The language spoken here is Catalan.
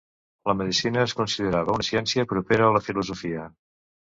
La medicina es considerava una ciència, propera a la filosofia.